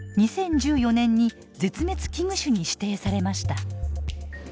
２０１４年に絶滅危惧種に指定されました。